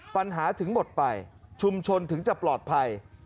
ปัญหาถึงหมดไปชุมชนถึงจะปลอดภัย